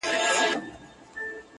په بدل کې سوله ساتله